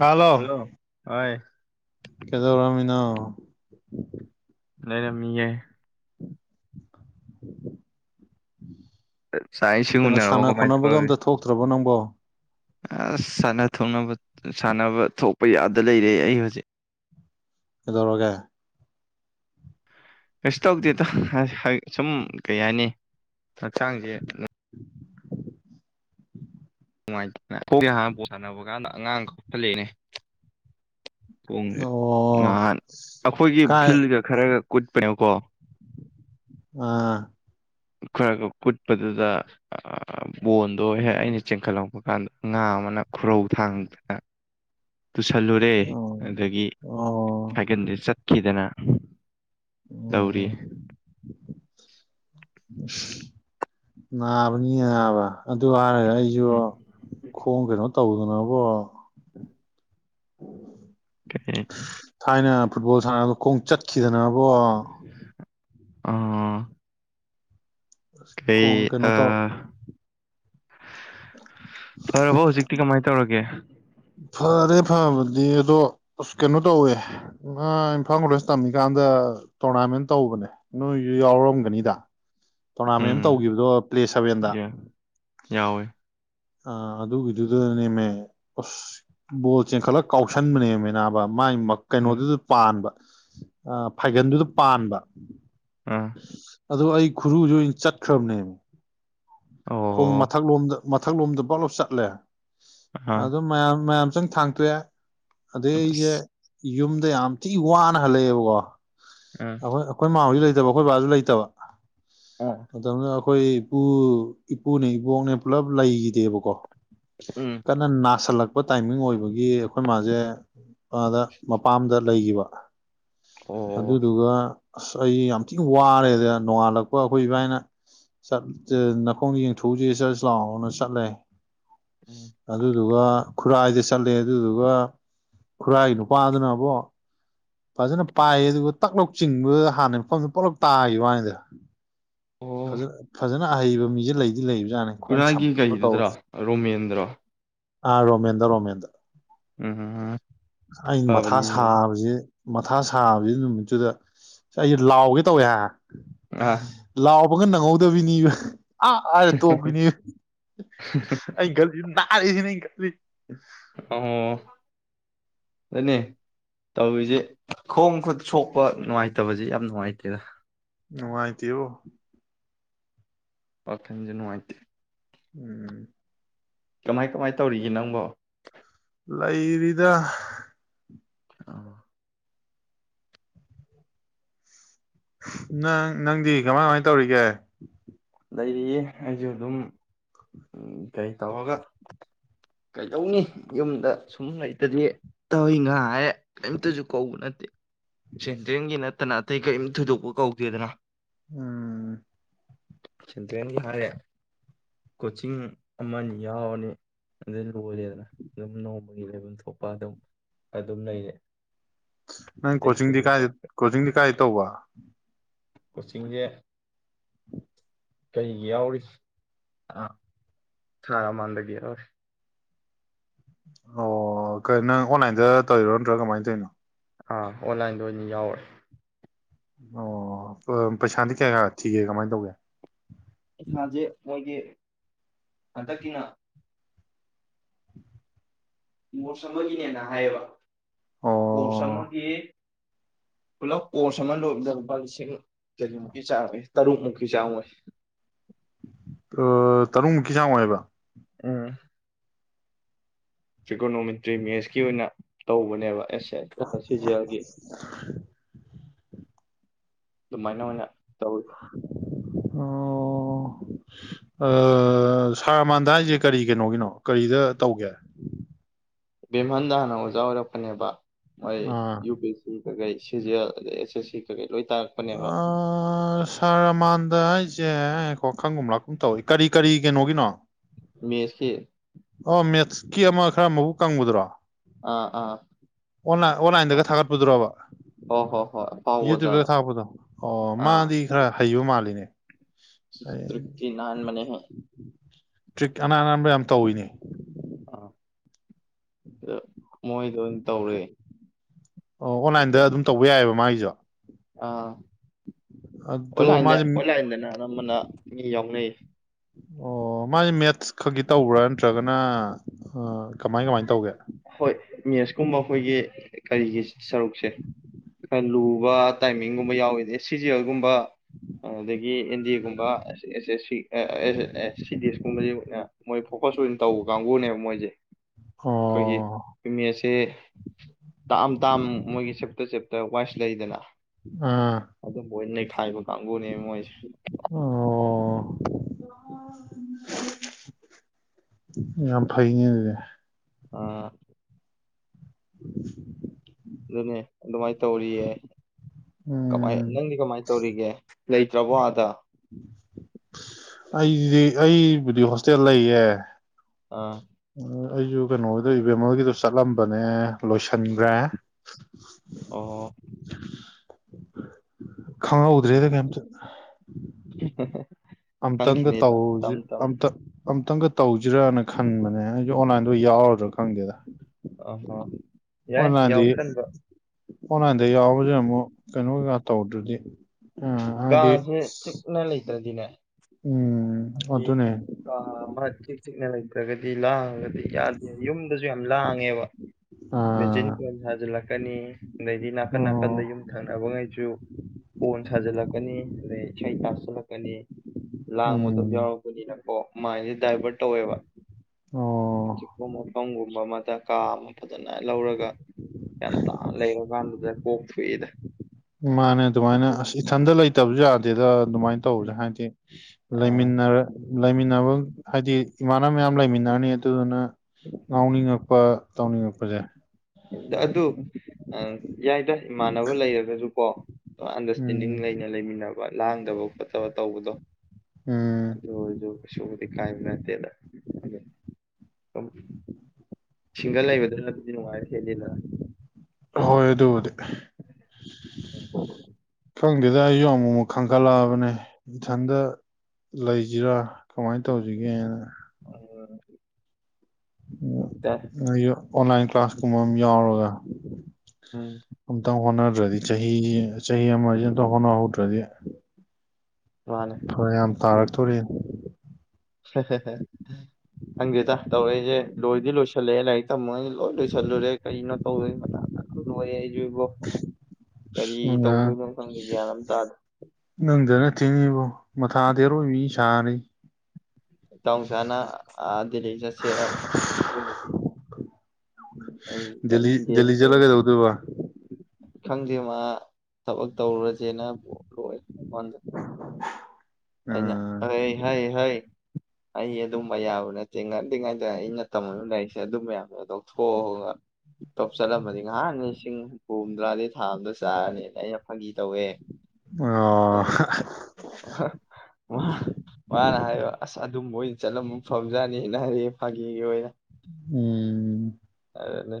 Hello hello ꯍꯣꯏ ꯀꯩꯗꯧꯔꯝꯃꯤꯅꯣ ꯂꯩꯔꯝꯃꯤꯌꯦ ꯆꯥꯛ ꯏꯁꯤꯡ ꯀꯩꯅꯣ ꯎꯅꯔꯕꯣ ꯁꯥꯟꯅ ꯀꯃꯥꯏꯅ ꯈꯣꯠꯅꯕꯒ ꯇꯧꯔꯒꯦ ꯑꯝꯇ ꯊꯣꯛꯇ꯭ꯔꯕ ꯅꯪꯕꯣ ꯑꯁ ꯁꯥꯟꯅ ꯊꯣꯛꯅꯕ ꯁꯥꯟꯅꯕ ꯊꯣꯛꯄ ꯌꯥꯗ ꯂꯩꯔꯦ ꯑꯩ ꯍꯧꯖꯤꯛ ꯀꯗꯧꯔꯒꯦ ꯀꯩꯁꯨꯇꯧꯗꯦꯗ ꯍꯥꯏ ꯍꯥꯏꯠ ꯁꯨꯝ ꯀꯩ ꯍꯥꯏꯅꯤ ꯍꯛꯆꯥꯡꯖꯦ [unintelligible] ꯅꯨꯡꯉꯥꯏꯇ ꯈꯣꯡꯒꯦ ꯉꯍꯥꯟ ꯕꯣꯜ ꯁꯥꯟꯅꯕꯀꯥꯟꯗ ꯑꯉꯥꯡ ꯀꯥꯎꯁꯜꯂꯛꯑꯦꯅꯦ ꯈꯣꯡꯖꯦ ꯑꯣ ꯉꯍꯥꯟ ꯑꯈꯣꯏꯒꯤ ꯀꯥꯏ ꯐꯤꯜꯗ ꯈꯔꯒ ꯀꯨꯠꯄꯅꯦꯕꯀꯣ ꯑꯥ ꯈꯔꯒ ꯀꯨꯠꯄꯗꯨꯗ ꯑꯥ ꯕꯣꯟꯗꯣ ꯍꯦꯛ ꯑꯩꯅ __ ꯆꯦꯟꯈꯠꯂꯛꯄ ꯀꯥꯟꯗ ꯑꯉꯥꯡ ꯑꯃꯅ ꯈꯨꯔꯧ ꯊꯥꯡꯗꯅ ꯇꯨꯁꯜꯂꯨꯔꯦ ꯑꯣ ꯑꯗꯒꯤ ꯑꯣ ꯍꯥꯏꯒꯟꯗꯦ ꯆꯠꯈꯤꯗꯅ ꯗꯧꯔꯤ ꯅꯕꯅꯤ ꯌꯥꯕ ꯑꯗꯨ ꯍꯥꯏꯔꯒ ꯑꯩꯖꯨ ꯎꯝ ꯈꯣꯡ ꯀꯩꯅꯣ ꯇꯧꯗꯅꯕꯣ [inaudible] ꯀꯩ ꯊꯥꯏꯅ ꯐꯨꯠꯕꯣꯜ ꯁꯥꯟꯅꯕꯗ ꯈꯣꯡ ꯆꯠꯈꯤꯗꯅꯕꯣ ꯑꯥ ꯑꯩ ꯈꯣꯡ ꯀꯩꯅꯣ ꯇꯧ ꯑꯥ ꯐꯔꯕꯣ ꯍꯧꯖꯤꯛꯇꯤ ꯀꯃꯥꯏ ꯇꯧꯔꯒꯦ ꯐꯔꯦ ꯐꯕꯗꯤ ꯑꯗꯣ ꯑꯁ ꯀꯩꯅꯣ ꯇꯧꯋꯦ ꯃꯥ ꯏꯝꯐꯥꯜ ꯀꯣꯂꯦꯖ ꯇꯝꯃꯤꯀꯥꯟꯗ ꯇꯣꯔꯅꯥꯃꯦꯟ ꯇꯧꯕꯅꯦ ꯅꯣꯏꯖꯨ ꯌꯥꯎꯔꯝꯒꯅꯤꯗ ꯇꯣꯔꯅꯥꯃꯦꯟ ꯑꯝ ꯎꯝ ꯇꯧꯒꯤꯕꯗꯣ ꯄ꯭ꯂꯦ ꯁꯚꯦꯟꯗ ꯌꯥ ꯌꯥꯎꯋꯦ ꯑꯥ ꯑꯗꯨꯒꯤꯗꯨꯗꯅꯦꯃꯦ ꯑꯁ ꯕꯣꯜ ꯆꯦꯟꯈꯠꯂ ꯀꯥꯎꯁꯟꯕꯅꯦꯃꯦ ꯅꯥꯕ ꯃꯥꯏ ꯃꯛ ꯑꯥ ꯀꯩꯅꯣꯗꯨꯗ ꯄꯥꯟꯕ ꯑꯥ ꯐꯥꯏꯒꯟꯗꯨꯗ ꯄꯥꯟꯕ ꯑꯥ ꯑꯗꯨꯒ ꯑꯩ ꯈꯨꯔꯨꯖꯦ ꯑꯣꯏꯅ ꯆꯠꯈ꯭ꯔꯕꯅꯦꯃꯦ ꯈꯣꯡ ꯑꯣ ꯃꯊꯛꯂꯣꯝꯗ ꯃꯊꯛ ꯂꯣꯝꯗ ꯕꯛ ꯂꯥꯎ ꯆꯠꯂꯦ ꯑꯥ ꯑꯗꯨ ꯃꯌꯥꯝ ꯃꯌꯥꯝꯆꯪ ꯊꯥꯡꯇꯣꯛꯑꯦ ꯑꯗꯩ ꯑꯩꯖꯦ ꯑꯁ ꯌꯨꯝꯗ ꯌꯥꯝ ꯊꯤ ꯋꯥꯅ ꯍꯜꯂꯛꯑꯦꯕꯀꯣ ꯑꯥ ꯑꯩꯈꯣꯏ ꯑꯩꯈꯣꯏ ꯃꯥꯥ ꯍꯣꯏꯖꯨ ꯂꯩꯇꯕ ꯑꯩꯈꯣꯏ ꯕꯥꯖꯨ ꯂꯩꯇꯕ ꯑꯥ ꯃꯇꯝꯗꯨꯗ ꯑꯩꯈꯣꯏ ꯏꯄꯨ ꯏꯄꯨꯅꯦ ꯏꯕꯣꯛꯅꯦ ꯄꯨꯜꯂꯞ ꯂꯩꯒꯤꯗꯦꯕꯀꯣ ꯎꯝ ꯀꯟꯅ ꯅꯥꯁꯜꯂꯛꯄ ꯇꯥꯏꯃꯤꯡ ꯑꯣꯏꯕꯒꯤ ꯑꯩꯈꯣꯏ ꯃꯥꯖꯦ ꯑꯗꯥ ꯃꯄꯥꯝꯗ ꯂꯩꯒꯤꯕ ꯑꯣ ꯑꯗꯨꯗꯨꯒ ꯑꯁ ꯑꯩ ꯌꯥꯝ ꯊꯤꯅ ꯋꯥꯔꯦꯗ ꯅꯣꯡꯉꯥꯜꯂꯛꯄ ꯑꯩꯈꯣꯏ ꯏꯕꯥꯏꯅ ꯆꯠꯆꯦ ꯅꯈꯣꯡꯗ ꯌꯦꯡꯊꯣꯛꯎꯖꯦ ꯆꯠꯁꯤ ꯂꯥꯛꯑꯣꯅ ꯆꯠꯂꯦ ꯎꯝ ꯑꯗꯨꯗꯨꯒ ꯈꯨꯔꯥꯏꯗ ꯆꯠꯂꯦ ꯑꯗꯨꯗꯨꯒ ꯈꯨꯔꯥꯏꯒꯤ ꯅꯨꯄꯥꯗꯨꯅꯕꯣ ꯐꯖꯅ ꯄꯥꯏ ꯑꯗꯨꯒ ꯇꯛꯂꯥꯎ ꯆꯤꯡꯕ ꯍꯥꯟꯅ ꯃꯐꯝꯗ ꯄꯣꯛꯂꯞ ꯇꯥꯒꯤꯕ ꯋꯥꯅꯤꯗ ꯑꯣ ꯐꯖ ꯐꯖꯅ ꯑꯍꯩꯕ ꯃꯤꯖꯦ ꯂꯩꯗꯤ ꯂꯩꯕꯖꯥꯠꯅꯤ ꯈꯣꯡ ꯈꯨꯔꯥꯏꯒꯤ ꯁꯝꯕ ꯈꯣꯠꯄ ꯀꯩꯗꯨꯗꯔꯣ ꯇꯧꯕꯁꯦ ꯑꯥ ꯔꯣꯃꯦꯟꯗꯔꯣ ꯑꯥ ꯔꯣꯃꯦꯟꯗ ꯔꯣꯃꯦꯟꯗ ꯎꯝ ꯑꯩꯅ ꯃꯊꯥ ꯐꯕꯅꯤꯅꯦ ꯁꯥꯕꯁꯤ꯫ ꯃꯊꯥ ꯁꯥꯕꯕꯁꯤ ꯅꯨꯃꯤꯠꯇꯨꯗ ꯑꯩꯁꯦ ꯂꯥꯎꯒꯦ ꯇꯧꯋꯦ ꯍꯥ꯫ ꯑꯥ ꯂꯥꯎꯕꯒ ꯅꯪꯍꯧꯗꯕꯤꯅꯤꯕ꯫ ꯑꯥ ꯍꯥꯏꯔ ꯇꯣꯛꯄꯤꯅꯤ ꯑꯩ ꯈꯠꯜꯂꯤ ꯅꯥꯔꯦꯁꯤꯅ ꯑꯩꯅ ꯈꯜꯂꯤꯁꯤ ꯑꯣ ꯑꯗꯨꯅꯤ ꯇꯧꯔꯤꯁꯦ ꯈꯣꯡ ꯈꯨꯠ ꯁꯣꯛꯄ ꯅꯨꯡꯉꯥꯏꯇꯕꯁꯦ ꯌꯥꯝ ꯅꯨꯡꯉꯥꯏꯇꯦꯗ꯫ ꯅꯨꯡꯉꯥꯏꯇꯦꯕꯣ꯫ ꯄꯥꯛꯊꯟꯁꯨ ꯅꯨꯡꯉꯥꯏꯇꯦ꯫ ꯎꯝ꯫ ꯀꯃꯥꯏ ꯀꯃꯥꯏ ꯇꯧꯔꯤꯒꯦ ꯅꯪꯕꯣ꯫ ꯂꯩꯔꯤꯗ꯫ [unintelligible] ꯅꯪ ꯅꯪꯗꯤ ꯀꯃꯥꯏ ꯀꯃꯥꯏꯅ ꯇꯧꯔꯤꯒꯦ꯫ ꯂꯩꯔꯤꯌꯦ ꯑꯩꯁꯨ ꯑꯗꯨꯝ ꯎꯝ ꯀꯩ ꯇꯧꯔꯒ꯫ ꯀꯩꯗꯧꯅꯤ ꯌꯨꯝꯗ ꯁꯨꯝ ꯂꯩꯇꯗꯤ꯫ ꯊꯕꯛ ꯏꯉꯥ ꯍꯥꯏꯔꯦ ꯀꯔꯤꯝꯇꯁꯨ ꯀꯧꯕ ꯅꯥꯠꯇꯦ꯫ ꯁꯦꯟꯗ꯭ꯔꯦꯡꯒꯤ ꯅꯠꯇꯅ ꯑꯇꯩ ꯀꯔꯤꯝ ꯊꯣꯏꯗꯣꯛꯄ ꯀꯧꯗꯦꯗꯅ꯫ ꯎꯝ꯫ ꯁꯦꯟꯇ꯭ꯔꯦꯜꯒꯤ ꯍꯥꯏꯔꯦ ꯀꯣꯆꯤꯡ ꯑꯃ ꯌꯥꯎꯔꯅꯤ꯫ ꯑꯗꯩ ꯂꯣꯔꯦꯗꯅ ꯑꯗꯨꯝ ꯅꯣꯡꯃꯒꯤ ꯂꯩꯐꯝ ꯊꯣꯛꯄ ꯑꯗꯨꯝ ꯑꯗꯨꯝ ꯂꯩꯔꯦ꯫ ꯅꯪ ꯑꯇꯩ ꯀꯣꯆꯤꯡꯗꯤ ꯀꯥꯏ ꯊꯣꯏꯗꯣꯛꯄ ꯀꯣꯆꯤꯡꯗꯤ ꯀꯥꯏꯗ ꯇꯧꯕ꯫ ꯀꯣꯆꯤꯡꯁꯦ꯫ ꯀꯔꯤꯒꯤ ꯌꯥꯎꯔꯤ ꯑ ꯊꯥ ꯃꯥꯟꯗꯒꯤ ꯌꯥꯎꯔꯤ꯫ ꯑꯣ ꯀꯩ ꯅꯪ ꯑꯣꯟꯂꯥꯏꯟꯗ ꯇꯧꯔꯤꯔꯣ ꯅꯠꯇ꯭ꯔꯥ ꯀꯃꯥꯏꯅ ꯇꯧꯔꯤꯅꯣ꯫ ꯑꯥ ꯑꯣꯟꯂꯥꯏꯟꯗ ꯑꯣꯏꯅ ꯌꯥꯎꯔꯦ꯫ ꯑꯣ ꯄꯩꯁꯥꯗꯤ ꯀꯌꯥ ꯀꯌꯥ ꯊꯤꯒꯦ ꯀꯃꯥꯏꯅ ꯇꯧꯒꯦ꯫ ꯄꯩꯁꯥꯁꯦ ꯃꯈꯣꯏꯒꯤ ꯍꯟꯗꯛꯀꯤꯅ ꯀꯣꯔꯁ ꯑꯃꯒꯤꯅꯦꯅ ꯍꯥꯏꯌꯦꯕ ꯑꯣ ꯀꯣꯔꯁ ꯑꯃꯒꯤ ꯄꯨꯂꯞ ꯀꯣꯔꯁ ꯑꯃ ꯂꯣꯏꯗꯕ ꯂꯨꯄꯥ ꯂꯤꯁꯤꯡ꯫ ꯆꯅꯤꯃꯨꯛꯀꯤ ꯆꯥꯡ ꯑꯣꯏ ꯇꯔꯨꯛꯃꯨꯛꯀꯤ ꯆꯥꯡꯑꯣꯏ ꯑ ꯇꯔꯨꯃꯨꯛꯀꯤ ꯆꯥꯡꯑꯣꯏꯕ꯫ ꯎꯝ꯫ ꯇꯔꯤꯀꯣꯅꯣꯃꯤꯇ꯭ꯔꯤ ꯃꯦꯁꯀꯤ ꯑꯣꯏꯅ ꯇꯧꯕꯅꯦꯕ ꯑꯦꯁ ꯑꯦ ꯁꯤꯖꯤꯜꯒꯤ [unintelligible] ꯑꯗꯨꯃꯥꯏꯅ ꯑꯣꯏꯅ ꯇꯧꯋꯤ꯫ ꯑꯣ꯫ ꯑ ꯁꯥꯔ ꯔꯃꯥꯟꯗꯥ ꯍꯥꯏꯁꯦ ꯀꯔꯤ ꯀꯩꯅꯣꯒꯤꯅꯣ ꯀꯔꯤꯗ ꯇꯧꯒꯦ꯫ ꯚꯦꯝꯍꯟꯗ ꯍꯥꯟꯅ ꯑꯣꯖꯥ ꯑꯣꯏꯔꯛꯄꯅꯦꯕ ꯃꯣꯏ ꯑꯥ ꯌꯨ ꯄꯦ ꯁꯤ ꯀꯩꯀꯩ ꯁꯤꯖꯤꯑꯦꯜ ꯑꯗꯩ ꯑꯦꯁ ꯑꯦꯁ ꯁꯤ ꯀꯩꯀꯩ ꯂꯣꯏ ꯇꯥꯔꯛꯄꯅꯦꯕ꯫ ꯁꯥꯔ ꯔꯃꯥꯟꯗ ꯍꯥꯏꯁꯦ ꯀꯣ ꯈꯪꯒꯨꯝꯕ ꯂꯥꯛꯀꯨꯝ ꯇꯧꯏ ꯀꯔꯤ ꯀꯔꯤ ꯀꯩꯅꯣꯒꯤꯅꯣ꯫ ꯃꯦꯁꯀꯤ꯫ ꯑꯣ ꯃꯦꯠꯁꯀꯤ ꯑꯃ ꯈꯔ ꯃꯕꯨꯛ ꯀꯪꯕꯉꯗꯨꯔꯣ ꯑꯥ ꯑꯥ ꯑꯣꯟꯥꯏ ꯑꯣꯟꯂꯥꯏꯟꯗꯒ ꯊꯥꯒꯠꯄꯗꯨ꯭ꯔꯣꯕ꯫ ꯑꯣ ꯍꯣ ꯍꯣꯏ꯫ ꯑꯐꯥꯎꯕ ꯌꯨꯇ꯭ꯌꯨꯕꯇ ꯑꯣꯖꯥꯗꯣ ꯊꯥꯛꯔꯛꯄꯗꯣ ꯑꯣ ꯑꯥ ꯃꯥꯗꯤ ꯈꯔ ꯍꯩꯕ ꯃꯥꯜꯂꯤꯅꯦ꯫ ꯑꯩ ꯇ꯭ꯔꯤꯛꯇꯤ ꯅꯥꯟꯕꯅꯦꯍꯦ ꯇ꯭ꯔꯤꯛ ꯑꯅꯥꯟ ꯑꯅꯥꯟꯕ ꯌꯥꯝ ꯇꯧꯋꯤꯅꯦ ꯑ ꯑꯗꯣ ꯃꯣꯏꯗ ꯑꯣꯏꯅ ꯇꯧꯔꯦ ꯑꯣ ꯑꯣꯟꯂꯥꯏꯟꯗ ꯑꯗꯨꯝ ꯇꯧꯕ ꯌꯥꯏꯕ ꯃꯥꯒꯤꯖꯨ ꯑꯥ ꯑꯗꯣ ꯑꯣꯟꯂꯥꯏꯟꯗ ꯃꯥꯁꯦ ꯑꯣꯟꯂꯥꯏꯟꯗꯅ ꯑꯅꯝꯕꯅ ꯃꯤ ꯌꯥꯎꯅꯩ ꯑꯣ ꯃꯥꯁꯦ ꯃꯦꯠꯁ ꯈꯛꯀꯤ ꯇꯧꯕ꯭ꯔꯥ ꯅꯠꯇ꯭ꯔꯒꯅ ꯀꯃꯥꯏ ꯀꯃꯥꯏꯅ ꯇꯧꯒꯦ ꯍꯣꯏ ꯃꯦꯠꯁꯀꯨꯝꯕ ꯑꯩꯈꯣꯏꯒꯤ ꯀꯔꯤꯒꯤ ꯁꯔꯨꯛꯁꯦ ꯈꯔ ꯂꯨꯕ ꯇꯥꯏꯃꯤꯡꯒꯨꯝꯕ ꯌꯥꯎꯋꯤꯗꯅ ꯁꯤ-ꯖꯤ-ꯑꯦꯜ ꯒꯨꯝꯕ ꯑꯗꯨꯗꯒꯤ ꯑꯦꯟ-ꯗꯤ-ꯑꯦ ꯒꯨꯝꯕ ꯑꯦꯁ-ꯑꯦꯁ-ꯁꯤ ꯑꯦꯁ ꯑꯦꯁ ꯁꯤ ꯗꯤ ꯑꯦꯁ ꯀꯨꯝꯕꯁꯤꯅꯥ ꯃꯣꯏ ꯐꯣꯀꯁ ꯑꯣꯏꯅ ꯇꯧꯕ ꯀꯥꯡꯒꯨꯅꯦꯕ ꯃꯣꯏꯖꯦ ꯑꯩꯈꯣꯏꯒꯤ ꯑꯣ ꯃꯦꯠꯁ ꯁꯦ ꯇꯥꯝ ꯇꯥꯝ ꯃꯣꯏꯒꯤ ꯆꯦꯞꯇꯔ ꯆꯦꯞꯇꯔ ꯋꯥꯏꯁ ꯂꯩꯗꯅ ꯑꯥ ꯑꯗꯨꯝꯕ ꯑꯣꯏꯅꯥ ꯅꯩꯈꯥꯏꯕ ꯀꯥꯡꯕꯨꯅꯦꯕ ꯃꯣꯏꯖꯦ ꯑꯣ ꯌꯥꯝ ꯐꯩꯅꯦ ꯑꯗꯨꯗꯤ ꯑ [inaudible] ꯑꯗꯨꯅꯦ ꯑꯗꯨꯃꯥꯏ ꯇꯧꯔꯤꯌꯦ ꯀꯃꯥꯏ ꯎꯝ ꯅꯪꯗꯤ ꯀꯃꯥꯏꯅ ꯇꯧꯔꯤꯒꯦ ꯂꯩꯇ꯭ꯔꯕꯣ ꯑꯥꯗ ꯑꯩꯗꯤ ꯑꯩꯕꯨꯗꯤ ꯍꯣꯁꯇꯦꯜ ꯂꯩꯌꯦ ꯑꯥ ꯑꯩꯖꯨ ꯀꯩꯅꯣꯒꯤꯗ ꯏꯕꯦꯝꯃꯜꯒꯤꯗ ꯆꯠꯂꯝꯕꯅꯦ ꯂꯣꯏꯁꯟꯒ꯭ꯔꯦ ꯑꯣ ꯈꯪꯍꯧꯗꯔꯦꯗ ꯀꯩꯝꯇꯥ [unintelligible] ꯑꯝꯇꯪꯒ ꯈꯪꯈꯤꯅꯤꯗ ꯇꯧꯖꯤ ꯇꯝ ꯇꯝ ꯑꯝꯇ ꯑꯝꯇꯪꯒ ꯇꯧꯖꯤꯔꯅ ꯈꯟꯕꯅꯦ ꯑꯩꯖꯨ ꯑꯣꯟꯂꯥꯏꯟꯗ ꯑꯣꯏ ꯌꯥꯎꯔꯗ꯭ꯔꯥ ꯈꯪꯗꯦꯗ ꯑ ꯍꯣ ꯑꯣꯟꯂꯥꯏꯟꯗꯤ ꯑꯣꯟꯂꯥꯏꯟꯗ ꯌꯥꯎꯕꯖꯤ ꯑꯃꯨꯛ ꯀꯩꯅꯣ ꯀꯩꯀꯥ ꯇꯧꯗ꯭ꯔꯗꯤ ꯑ ꯍꯥꯏꯗꯤ ꯀꯥꯁꯦ ꯆꯤꯛꯅ ꯂꯩꯇ꯭ꯔꯗꯤꯅꯦ ꯎꯝ ꯍꯥꯏꯗꯤ ꯑꯗꯨꯅꯦ ꯀꯥ ꯑꯃꯔꯛ ꯆꯤꯛ ꯆꯤꯛꯅ ꯂꯩꯇ꯭ꯔꯒꯗꯤ ꯂꯥꯡ ꯉꯥꯒꯗꯤ ꯌꯥ ꯌꯨꯝꯗꯖꯨ ꯌꯥꯝ ꯂꯥꯡꯉꯦꯕ ꯃꯦꯆꯤꯟ ꯑꯥ ꯀꯣꯟ ꯁꯥꯖꯤꯜꯂꯛꯀꯅꯤ ꯑꯗꯩꯗꯤ ꯅꯥꯀꯟ ꯑꯣ ꯅꯥꯀꯟꯗ ꯌꯨꯝ ꯊꯪꯅꯕꯒꯩꯖꯨ ꯀꯣꯟ ꯁꯥꯖꯤꯜꯂꯛꯀꯅꯤ ꯑꯗꯩ ꯏꯁꯩ ꯇꯥꯁꯤꯜꯂꯛꯀꯅꯤ ꯂꯥꯡꯕ ꯗꯨꯝ ꯎꯝ ꯌꯥꯎꯔꯛꯄꯅꯤꯅꯀꯣ ꯃꯥꯏꯟꯖꯦ ꯗꯥꯏꯚ꯭ꯔꯠ ꯇꯧꯋꯦꯕ ꯑꯣ ꯑꯥꯆꯤꯛꯄꯥ ꯃꯐꯝꯒꯨꯝꯕ ꯑꯃꯗ ꯀꯥꯝ ꯐꯖꯅ ꯂꯧꯔꯒ ꯒ꯭ꯌꯥꯟꯇꯥꯅ ꯂꯩꯔꯀꯥꯟꯗꯨꯗ ꯀꯣꯛ ꯊꯣꯛꯏꯗ ꯃꯥꯅꯦ ꯑꯗꯨꯃꯥꯏꯅ ꯑꯁ ꯏꯊꯟꯇ ꯂꯩꯇꯕꯖꯨ ꯌꯥꯗꯦꯗ ꯑꯗꯨꯃꯥꯏꯅ ꯇꯧꯕꯗꯥ ꯍꯥꯏꯗꯤ ꯑꯥ ꯂꯩꯃꯤꯟꯅꯔ ꯂꯩꯃꯤꯟꯅꯕ ꯍꯥꯏꯗꯤ ꯏꯃꯥꯟꯅꯕ ꯃꯌꯥꯝ ꯂꯩꯃꯤꯟꯅꯔꯅꯤ ꯑꯗꯨꯗꯨꯅ ꯉꯥꯎꯅꯤꯡꯉꯛꯄ ꯇꯧꯅꯤꯡꯉꯛꯄꯖꯦ ꯑꯗꯨ ꯌꯥꯏꯗ ꯏꯃꯥꯟꯅꯕ ꯂꯩꯔꯒꯖꯨ ꯀꯣ ꯑꯟꯗ꯭ꯔꯁꯇꯦꯟꯗꯤꯡ ꯎꯝ ꯂꯩꯅ ꯂꯩꯃꯤꯟꯅꯕ ꯂꯥꯡꯗꯕ ꯈꯣꯠꯇꯕ ꯇꯧꯕꯗꯣ ꯎꯝ ꯑꯗꯨ ꯑꯣꯏꯔꯖꯨ ꯀꯩꯁꯨꯕꯨꯗꯤ ꯀꯥꯏꯕ ꯅꯠꯇꯦꯗ ꯑꯗꯣ ꯁꯨꯝ ꯁꯤꯡꯒꯜ ꯂꯩꯕꯗꯨꯅꯕꯨꯗꯤ ꯅꯨꯡꯉꯥꯏꯕ ꯍꯦꯜꯂꯤꯅ ꯍꯣꯏ ꯑꯗꯨꯕꯨꯗꯤ ꯈꯪꯗꯦꯗ ꯑꯩꯖꯨ ꯑꯃꯨꯛꯃꯨꯛ ꯈꯟꯒꯠꯂꯛꯑꯕꯅꯦ ꯏꯊꯟꯗ ꯂꯩꯖꯤꯔꯥ ꯀꯃꯥꯏꯅ ꯇꯧꯖꯤꯒꯦꯅ [unintelligible] ꯇ- ꯑꯩꯖꯨ ꯑꯣꯟꯂꯥꯏꯟ ꯀ꯭ꯂꯥꯁ ꯀꯨꯝꯕ ꯑꯃ ꯌꯥꯎꯔꯒ ꯎꯝ, ꯑꯝꯛꯇꯪ ꯍꯣꯠꯅꯗ꯭ꯔꯗꯤ ꯆꯍꯤ ꯆꯍꯤ ꯑꯃꯖꯤ ꯑꯝꯛꯇꯪ ꯍꯣꯠꯅꯍꯧꯗ꯭ꯔꯗꯤ ꯃꯥꯅꯦ ꯐꯔꯛ ꯌꯥꯝ ꯇꯥꯔꯛꯇꯣꯔꯦ ꯍꯦꯍꯦꯍꯦ ꯈꯪꯗꯦꯗ ꯇꯧꯔꯤꯖꯦ ꯂꯣꯏꯗꯤ ꯂꯣꯏꯁꯤꯜꯂꯛꯑꯦ ꯂꯥꯏꯔꯤꯛ ꯇꯝꯃꯉꯩꯁꯦ ꯂꯣꯏ ꯂꯣꯏꯁꯤꯜꯂꯨꯔꯦ ꯀꯔꯤꯅꯣ ꯇꯧꯗꯣꯏ ꯃꯊꯥ ꯂꯣꯏꯔꯦ ꯑꯩꯖꯨ ꯏꯕꯣ ꯀꯔꯤ ꯅꯪꯒ ꯇꯧꯗꯣꯏꯅꯣ ꯈꯪꯗꯦ ꯒ꯭ꯌꯥꯟ ꯑꯝ ꯇꯥꯗꯦ ꯅꯪꯗ ꯅꯠꯇꯦꯅꯦ ꯏꯕꯣ ꯃꯊꯥꯗꯤ ꯑꯔꯣꯏꯕꯤ ꯁꯥꯔꯤ ꯏꯇꯥꯎ ꯁꯥꯅ ꯑ ꯗꯦꯜꯂꯤ ꯆꯠꯁꯦꯅ ꯑꯩ ꯗꯦꯂꯤ ꯆꯠꯅꯤꯡꯗꯦꯅ ꯗꯦꯜꯂꯤ ꯆꯠꯂ ꯂꯩꯔꯤ ꯀꯩꯗꯧꯗꯣꯏꯕ ꯈꯪꯗꯦ ꯃꯥ ꯊꯕꯛ ꯇꯧꯔꯨꯔꯖꯦꯅ ꯂꯣꯏꯔꯦ ꯑꯩꯉꯣꯟꯗ ꯑꯩꯅ ꯑꯥ ꯍꯥꯏ ꯍꯥꯏ ꯍꯩ ꯑꯩ ꯑꯗꯨꯝꯕ ꯌꯥꯕ ꯅꯠꯇꯦ ꯉꯜꯂꯤꯉꯩꯗ ꯑꯩꯅ ꯇꯝꯃꯨꯕ ꯂꯩꯔꯤꯛꯁꯦ ꯑꯗꯨꯝꯕ ꯃꯌꯥꯝꯗꯣ ꯇꯣꯊꯣꯛ ꯑꯒ ꯇꯣꯞ ꯆꯠꯂꯝꯃꯗꯤ ꯉꯍꯥꯟ ꯂꯤꯁꯤꯡ ꯍꯨꯝꯐꯨ ꯍꯨꯝꯗ꯭ꯔꯥꯗꯤ ꯊꯥ ꯑꯝꯗ ꯆꯥꯔꯅꯤꯅ ꯑꯩꯅ ꯐꯥꯒꯤ ꯇꯧꯋꯦ ꯑꯣ ꯑ [unintelligible] ꯃꯥꯅ ꯍꯥꯏꯕ ꯑꯁ ꯑꯗꯨꯝꯕ ꯑꯣꯏꯅ ꯆꯠꯂꯝꯕ ꯐꯕꯖꯥꯠꯅꯤꯅ ꯍꯥꯏꯔꯛ ꯐꯥꯒꯤꯒꯤ ꯑꯣꯏꯅ ꯎꯝ ꯑꯗꯨꯅꯦ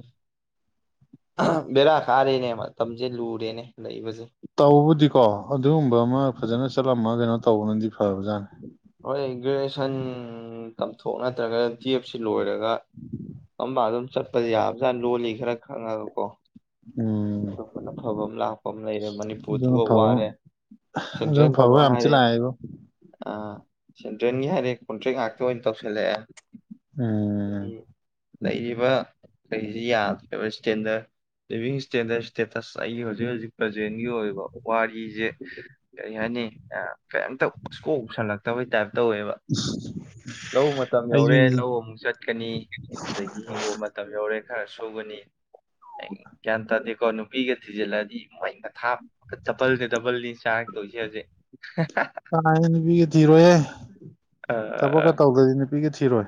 ꯕꯦꯔꯥ ꯀꯥꯔꯦꯅꯦ ꯃꯇꯝꯖꯦ ꯂꯨꯔꯦꯅꯦ ꯂꯩꯕꯖꯦ ꯇꯧꯕꯕꯨꯗꯤꯀꯣ ꯑꯗꯨꯒꯨꯝꯕ ꯑꯃ ꯐꯖꯅ ꯆꯠꯂꯝꯃ ꯀꯩꯅꯣ ꯇꯧꯕꯅꯗꯤ ꯐꯔꯕꯖꯥꯠꯅꯤ ꯍꯣꯏ ꯒ꯭ꯔꯦꯖꯨꯑꯦꯁꯟ ꯇꯝꯊꯣꯛ ꯅꯠꯇ꯭ꯔꯒ ꯇꯨꯌꯦꯐ ꯁꯤ ꯂꯣꯏꯔꯒ ꯒ ꯑꯝꯕ ꯑꯗꯨꯝ ꯆꯠꯄꯗ ꯌꯥꯕꯖꯥꯠꯅꯤ ꯂꯣꯜ ꯂꯤ ꯈꯔ ꯈꯪꯉꯒꯀꯣ ꯎꯝ ꯑꯗꯨꯒꯝꯕꯅ ꯐꯕ ꯑꯃ ꯂꯥꯛꯄ ꯑꯃ ꯂꯩꯔꯦ ꯃꯅꯤꯄꯨꯔ ꯑꯗꯨꯅ ꯊꯕꯛ ꯐꯕ ꯋꯥꯔꯦ ꯑꯗꯨꯅ ꯁꯦꯟꯇ꯭ꯔꯦꯜ ꯐꯕ ꯊꯥꯕꯛ ꯌꯥꯝ ꯊꯤ ꯍꯥꯏꯔꯦ ꯂꯥꯛꯑꯦꯕꯣ ꯑ ꯁꯦꯟꯇ꯭ꯔꯦꯟꯒꯤ ꯍꯥꯏꯔꯦ ꯀꯣꯟꯇ꯭ꯔꯦꯛ ꯉꯥꯛꯇ ꯑꯣꯏꯅ ꯇꯧꯁꯤꯜꯂꯛꯑꯦ ꯎꯝ ꯂꯩꯔꯤꯕ ꯀꯔꯤꯖꯦ ꯌꯥꯗ꯭ꯔꯦꯕ ꯏꯁꯇꯦꯟꯗꯔ ꯂꯤꯕꯤꯡ ꯏꯁꯇꯦꯟꯗꯔꯠ ꯏꯁꯇꯦꯇꯁ ꯑꯩꯒꯤ ꯍꯧꯖꯤꯛ ꯍꯧꯖꯤꯛ ꯄ꯭ꯔꯖꯦꯟꯒꯤ ꯑꯣꯏꯕ ꯋꯥꯔꯤꯖꯦ ꯀꯔꯤ ꯍꯥꯏꯅꯤ ꯀꯩꯝꯇ ꯀꯣꯛꯁꯜꯂꯛꯇꯕꯩ ꯇꯥꯏꯞ ꯇꯧꯋꯦꯕ ꯂꯧ ꯃꯇꯝ ꯌꯧꯔꯦ ꯑꯩꯁꯨꯅꯤ ꯂꯧ ꯑꯃꯨꯛ ꯆꯠꯀꯅꯤ ꯑꯗꯒꯤ ꯍꯤꯡꯒꯣꯜ ꯃꯇꯝ ꯌꯧꯔꯦ ꯈꯔ ꯁꯨꯒꯅꯤ ꯇꯂꯦꯀꯣ ꯅꯨꯄꯤꯒ ꯊꯤꯖꯤꯜꯂꯗꯤ ꯃꯩ ꯃꯊꯥꯞ ꯗꯕꯜꯗ ꯗꯕꯜꯅꯤ ꯆꯥꯔꯛ ꯇꯣꯏꯖꯦ ꯍꯧꯖꯤꯛ [inaudible] ꯀꯥꯏ ꯅꯨꯄꯤꯒ ꯊꯤꯔꯣꯏꯍꯦ ꯑ ꯊꯕꯛꯀ ꯇꯧꯗ꯭ꯔꯗꯤ ꯅꯨꯄꯤꯒ ꯊꯤꯔꯣꯏ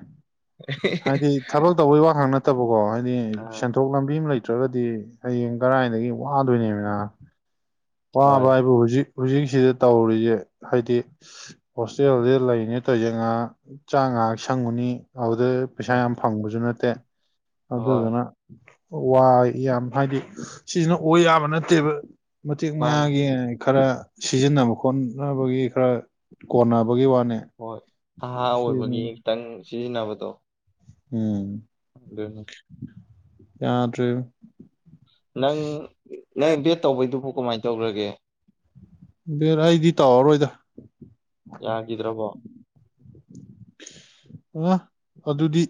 ꯍꯥꯏꯗꯤ ꯊꯕꯛ ꯇꯧꯕꯩ ꯋꯥ ꯈꯛ ꯅꯠꯇꯕꯀꯣ ꯍꯥꯏꯗꯤ ꯑꯥ ꯁꯦꯟꯊꯣ ꯊꯣꯛ ꯂꯝꯕꯤ ꯑꯃ ꯂꯩꯇ꯭ꯔꯒꯗꯤ ꯍꯌꯦꯡ ꯀꯔꯥꯏꯗꯒꯤ ꯋꯥꯗꯣꯏꯅꯤꯗꯅ ꯍꯣꯏ ꯋꯥꯕ ꯍꯥꯏꯕꯨ ꯍꯧꯖꯤꯛ ꯍꯧꯖꯤꯛꯁꯤꯗ ꯇꯧꯔꯤꯖꯦ ꯍꯥꯏꯗꯤ ꯍꯣꯁꯇꯦꯜꯖꯤ ꯂꯩꯔꯤꯅꯤ ꯇꯥꯎꯏꯖꯦ ꯉꯍꯥꯛ ꯆꯥ ꯉꯍꯥꯛ ꯁꯪꯉꯨꯅꯤ ꯑꯗꯨꯗ ꯄꯩꯁꯥ ꯑ ꯌꯥꯝ ꯐꯪꯕꯁꯨ ꯅꯠꯇꯦ ꯍꯣꯏ ꯑꯗꯨꯗꯨꯅ ꯋꯥꯏ ꯌꯥꯝ ꯍꯥꯏꯗꯤ ꯁꯤꯖꯤꯅ ꯑꯣꯏ ꯌꯥꯕ ꯅꯠꯇꯦꯕ ꯃꯇꯦꯛ ꯃꯥꯅꯦ ꯃꯌꯥꯒꯤ ꯈꯔ ꯁꯤꯖꯤꯟꯅꯕ ꯈꯣꯠꯅꯕꯒꯤ ꯈꯔ ꯀꯣꯟꯅꯕꯒꯤ ꯋꯥꯅꯦ ꯍꯣꯏ ꯑꯍꯥ ꯁꯤꯅꯤ ꯑꯣꯏꯕꯒꯤ ꯈꯤꯇꯪ ꯁꯤꯖꯤꯟꯅꯕꯗꯣ ꯎꯝ ꯈꯪꯗꯦꯅꯦ ꯌꯥꯗ꯭ꯔꯦ ꯅꯪ ꯅꯪ ꯕꯦꯠ ꯇꯧꯕꯩꯗꯨꯕꯨ ꯀꯃꯥꯏ ꯇꯧꯒꯔꯒꯦ ꯕꯦꯠ ꯑꯩꯗꯤ ꯇꯧꯔꯔꯣꯏꯗ ꯌꯥꯒꯤꯗ꯭ꯔꯕꯣ ꯑꯗꯨꯗꯤ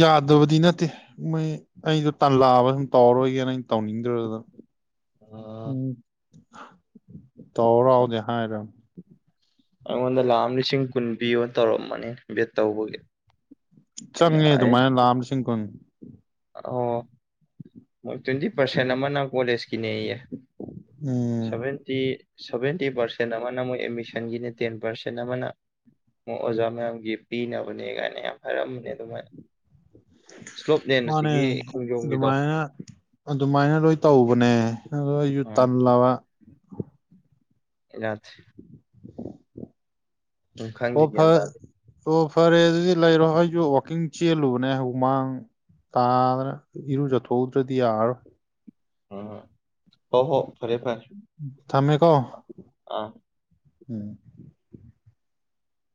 ꯌꯥꯗꯕꯗꯤ ꯅꯠꯇꯦ ꯃꯣꯏ ꯑꯩꯗꯣ ꯇꯥꯟꯂꯛꯑꯕ ꯁꯨꯝ ꯇꯧꯔꯔꯣꯏꯒꯦꯅ ꯑꯩꯅ ꯇꯧꯅꯤꯡ ꯑꯥ ꯑꯆꯥ ꯇꯧꯔꯥꯎꯗꯤ ꯍꯥꯏꯔꯝꯅꯦ ꯑꯩꯉꯣꯟꯗ ꯂꯥꯈ ꯑꯃ ꯂꯤꯁꯤꯡ ꯀꯨꯟ ꯄꯤꯌꯣ ꯇꯧꯔꯝꯃꯅꯤ ꯚꯦꯠ ꯇꯧꯕꯒꯤ ꯑꯩꯅ ꯆꯪꯉꯦ ꯑꯩꯁ ꯑꯗꯨꯃꯥꯏꯅ ꯂꯥꯈꯑꯃ ꯂꯤꯁꯤꯡ ꯀꯨꯟ ꯑꯣ ꯇ꯭ꯨꯋꯦꯟꯇꯤ ꯄꯥꯔꯁꯦꯟ ꯑꯃꯅ ꯀꯣꯂꯦꯖꯀꯤꯅꯦꯌꯦ ꯎꯝ ꯁꯚꯦꯟꯇꯤ ꯁꯚꯦꯟꯇꯤ ꯄꯥꯔꯁꯦꯟ ꯑꯃꯅ ꯃꯣꯏ ꯑꯦꯗꯃꯤꯁꯟꯒꯤꯅꯦ ꯇꯦꯟ ꯄꯥꯔꯁꯦꯟ ꯑꯃꯅ ꯑꯣꯖꯥ ꯃꯌꯥꯝꯒꯤ ꯄꯤꯅꯕꯅꯦ ꯀꯥꯏꯅ ꯌꯥꯝ ꯍꯥꯏꯔꯝꯕꯅꯦ ꯑꯗꯨꯃꯣꯏꯅ ꯁ꯭ꯂꯣꯞ ꯂꯦꯟ ꯃꯅꯦ ꯑꯗꯨꯃꯥꯏꯅ ꯑꯗꯨꯃꯥꯏꯅ ꯂꯣꯏ ꯇꯧꯕꯅꯦ ꯑꯗꯨ ꯑꯩꯖꯨ ꯎꯝ ꯇꯜꯂꯕ [unintelligible] ꯎꯝ ꯈꯪꯗꯦ ꯑꯣ ꯒ꯭ꯌꯥꯟ ꯐꯥꯔꯦ ꯇꯥꯗꯦ ꯑꯣ ꯐꯔꯦ ꯑꯗꯨꯗꯤ ꯂꯩꯔꯣ ꯑꯩꯖꯨ ꯋꯥꯀꯤꯡ ꯆꯦꯜꯂꯨꯕꯅꯦ ꯍꯨꯃꯥꯡ ꯇꯥꯗꯅ ꯏꯔꯨꯖꯊꯣꯛꯎꯗ꯭ꯔꯗꯤ ꯌꯥꯔꯔꯣꯏ ꯍꯣꯏ ꯍꯣꯏ ꯐꯔꯦ ꯐꯔꯦ ꯊꯝꯃꯦꯀꯣ ꯑꯥ ꯎꯝ